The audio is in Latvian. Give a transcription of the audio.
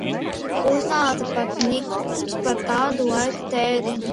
Uznāca pat niknums par tādu laika tēriņu.